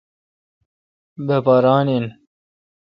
مہ پا ران این۔